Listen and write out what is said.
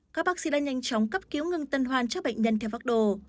các bác sĩ đã nhanh chóng cấp cứu ngừng tân hoan cho bệnh nhân theo pháp đồ